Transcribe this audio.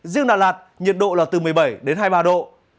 riêng đà lạt nhiệt độ là từ một mươi bảy đến hai mươi ba độ